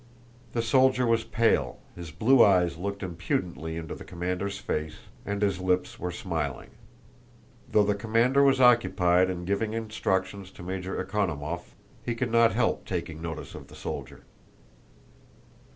The soldier was pale, his blue eyes looked impudently into the commander's face, and his lips were smiling. Though the commander was occupied in giving instructions to Major Ekonómov, he could not help taking notice of the soldier.